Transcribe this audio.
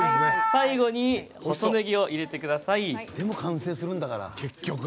最後に細ねぎを入れてください。